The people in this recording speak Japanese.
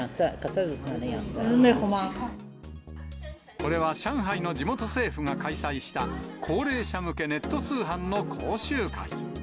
これは上海の地元政府が開催した高齢者向けネット通販の講習会。